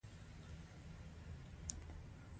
د تولید انحصارول یوازینۍ لار وه